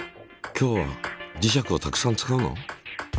今日は磁石をたくさん使うの？